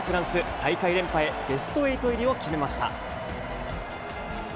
大会連覇へ、ベスト８入りを決めました。